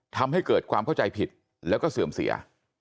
ทำให้เกิดความเข้าใจผิดแล้วก็เสื่อมเสีย